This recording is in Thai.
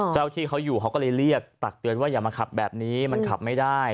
ที่เขาอยู่เขาก็เลยเรียกตักเตือนว่าอย่ามาขับแบบนี้มันขับไม่ได้